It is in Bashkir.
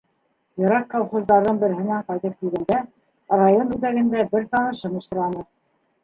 Йыраҡ колхоздарҙың береһенән ҡайтып килгәндә, район үҙәгендә бер танышым осраны.